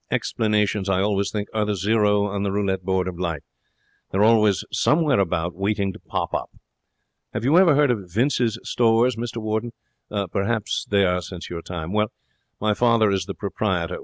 'Explanations, I always think, are the zero on the roulette board of life. They're always somewhere about, waiting to pop up. Have you ever heard of Vince's Stores, Mr Warden? Perhaps they are since your time. Well, my father is the proprietor.